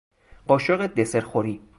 قاشق دسر خوری